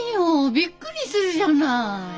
びっくりするじゃない。